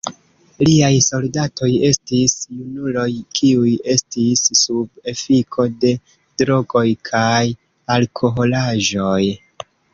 Liaj soldatoj estis junuloj kiuj estis sub efiko de drogoj kaj alkoholaĵoj.